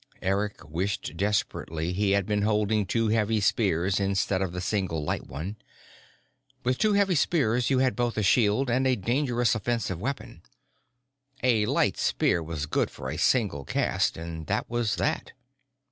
Eric wished desperately he had been holding two heavy spears instead of the single light one. With two heavy spears you had both a shield and a dangerous offensive weapon. A light spear was good for a single cast, and that was that.